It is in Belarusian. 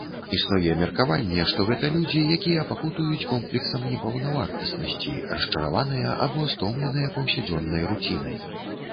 Існуе меркаванне, што гэта людзі, якія пакутуюць комплексам непаўнавартаснасці, расчараваныя або стомленыя паўсядзённай руцінай.